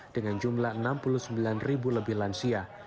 dengan jumlah enam puluh sembilan ribu lebih lansia